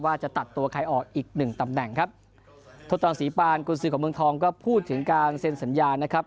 ว่าจะตัดตัวใครออกอีกหนึ่งตำแหน่งครับทศตรังศรีปานกุญสือของเมืองทองก็พูดถึงการเซ็นสัญญานะครับ